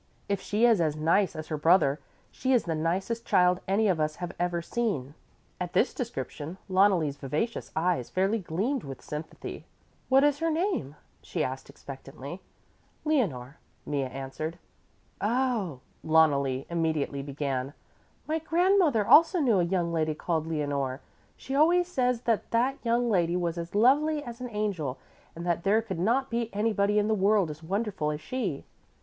If she is as nice as her brother, she is the nicest child any of us have ever seen." At this description Loneli's vivacious eyes fairly gleamed with sympathy. "What is her name," she asked expectantly. "Leonore," Mea answered. "Oh," Loneli immediately began, "my grandmother also knew a young lady called Leonore. She always says that that young lady was as lovely as an angel and that there could not be anybody in the world as wonderful as she."